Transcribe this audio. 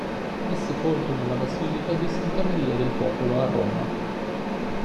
È sepolto nella Basilica di Santa Maria del Popolo a Roma.